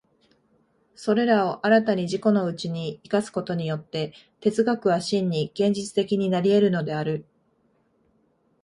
それらを新たに自己のうちに生かすことによって、哲学は真に現実的になり得るのである。